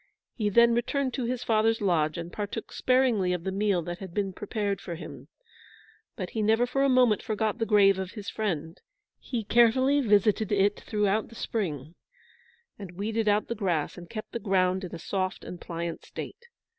He then returned to his father's lodge, and partook sparingly of the meal that had been prepared for him. But he never for a moment forgot the grave of his friend. He carefully visited it throughout the spring, and weeded out the grass, and kept the ground in a soft and pliant state.